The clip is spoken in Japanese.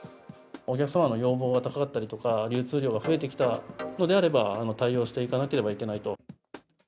お客様の要望が高かったりとか、流通量が増えてきたのであれば、対応していかなければいけないと。